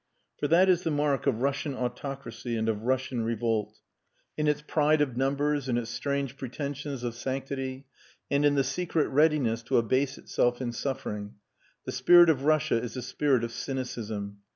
For that is the mark of Russian autocracy and of Russian revolt. In its pride of numbers, in its strange pretensions of sanctity, and in the secret readiness to abase itself in suffering, the spirit of Russia is the spirit of cynicism.